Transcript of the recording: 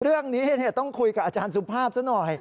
เรื่องนี้ต้องคุยกับอาจารย์สุภาพซะหน่อย